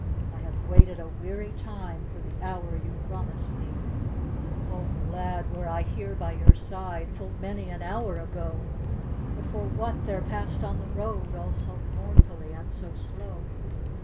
I have waited a weary time For the hour you promised me." D,gt,, erihyGOOgle The Haunted Hour " Oh, glad were I here by your side, Full many an hour agci. But for what there passed on the road All so mournfully and so slow."